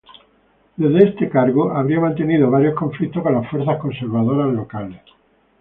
Desde este cargo habría mantenido varios conflictos con las fuerzas conservadoras locales.